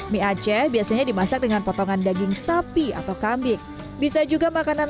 mie aceh biasanya dimasak dengan potongan daging sapi atau kambing bisa juga makanan